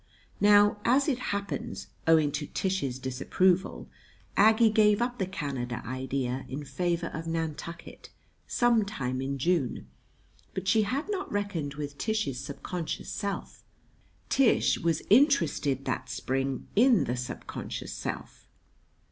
Now, as it happened, owing to Tish's disapproval, Aggie gave up the Canada idea in favor of Nantucket, some time in June; but she had not reckoned with Tish's subconscious self. Tish was interested that spring in the subconscious self.